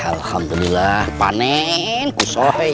alhamdulillah manen kickas